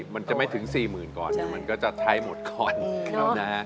มันจะไม่ถึง๔๐๐๐ก่อนมันก็จะใช้หมดก่อนนะฮะ